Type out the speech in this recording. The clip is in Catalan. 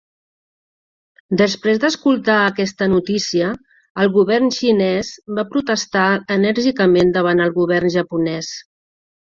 Després d'escoltar aquesta notícia, el govern xinès va protestar enèrgicament davant el govern japonès.